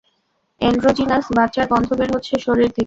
Androgynous বাচ্চার গন্ধ বের হচ্ছে শরীর থেকে।